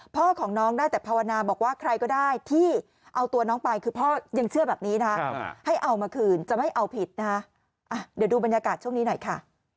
พ่อของน้องได้แต่ภาวนาบอกว่าใครก็ได้ที่เอาตัวน้องไปคือพ่อยังเชื่อแบบนี้นะให้เอามาคืนจะไม่เอาผิดนะคะเดี๋ยวดูบรรยากาศช่วงนี้หน่อยค่ะ